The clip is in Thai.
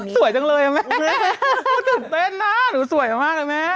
สวยจังเลยแม่ตื่นเต้นนะหนูสวยมากเลยแม่